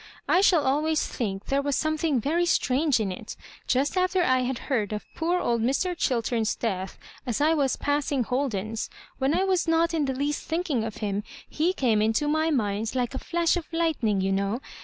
*' I shall always think there was some thing very strange in it Just after I had heard of poor old Mr. Chiltem's death, as I was pass ing Holden's — ^when I was not in the least thinking of him« *he came into my mmd like a flash of lightning, you know.